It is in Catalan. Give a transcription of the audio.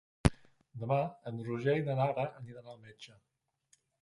Demà en Roger i na Lara aniran al metge.